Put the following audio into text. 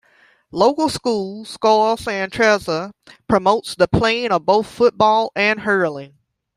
Local school, Scoil San Treasa, promotes the playing of both football and hurling.